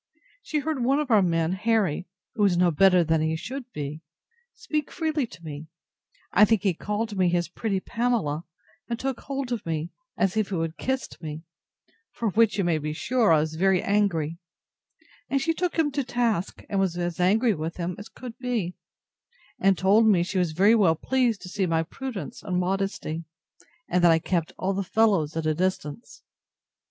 She heard one of our men, Harry, who is no better than he should be, speak freely to me; I think he called me his pretty Pamela, and took hold of me, as if he would have kissed me; for which, you may be sure, I was very angry: and she took him to task, and was as angry at him as could be; and told me she was very well pleased to see my prudence and modesty, and that I kept all the fellows at a distance.